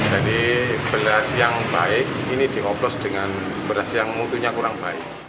jadi beras yang baik ini dioplos dengan beras yang mutunya kurang baik